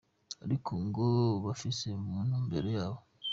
Ariko ngo babifise mu ntumbero yabo.